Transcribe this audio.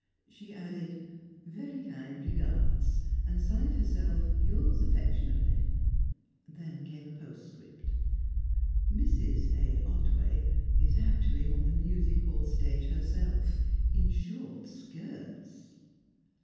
She added "very kind regards," and signed herself "yours affectionately." Then came a postscript. "Mrs. A. Otway is actually on the music hall stage herself, in short skirts!"